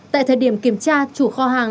tại thời điểm kiểm tra chủ kho hàng